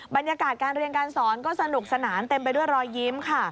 บรรยากาศการเรียนการสอนก็สนุกสนานเต็มไปด้วยรอยยิ้มค่ะ